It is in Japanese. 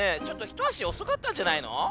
ちょっとひとあしおそかったんじゃないの？